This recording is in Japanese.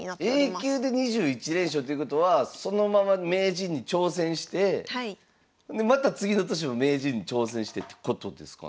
Ａ級で２１連勝ということはそのまま名人に挑戦してでまた次の年も名人に挑戦してるってことですかね？